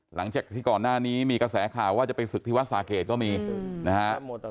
หลังจากที่ก่อนหน้านี้มีกระแสข่าวว่าจะไปศึกที่วัดสาเกตก็มีนะฮะ